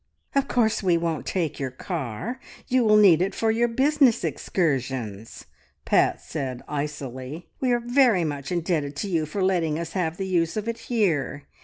"Of course we won't take your car. You will need it for your business excursions!" Pat said icily. "We are very much indebted to you for letting us have the use of it here.